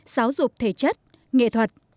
giáo dục thể chất nghệ thuật